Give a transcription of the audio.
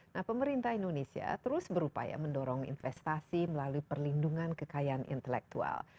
nah pemerintah indonesia terus berupaya mendorong investasi melalui perlindungan kekayaan intelektual